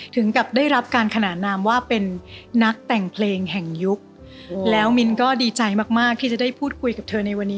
ถึงกับได้รับการขนานนามว่าเป็นนักแต่งเพลงแห่งยุคแล้วมินก็ดีใจมากมากที่จะได้พูดคุยกับเธอในวันนี้